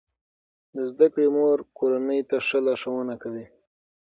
د زده کړې مور کورنۍ ته ښه لارښوونه کوي.